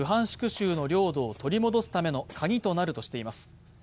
州の領土を取り戻すためのカギとなるとしています。